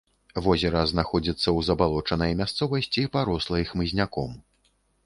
Возера знаходзіцца ў забалочанай мясцовасці, парослай хмызняком.